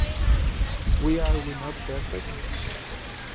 Why Are We Not Perfect?